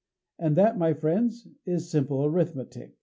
And that, my friends, is simple arithmetic.